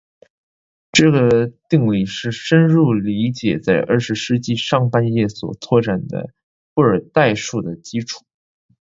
这个定理是深入理解在二十世纪上半叶所拓展的布尔代数的基础。